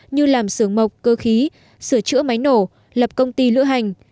như làm sửa mộc cơ khí sửa chữa máy nổ lập công ty lựa hành